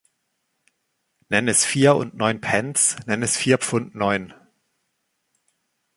Nenn es vier und neun Pence - nenn es vier Pfund neun.